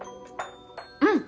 うん。